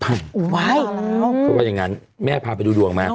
เพราะว่าอย่างนั้นแม่พาไปดูดวงมา